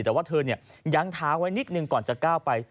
แต่ว่าเธอยั้งท้าไว้นิดหนึ่งก่อนจะก้าวไป